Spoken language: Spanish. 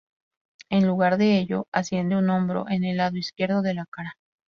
En lugar de ello, asciende un hombro en el lado izquierdo de la cara.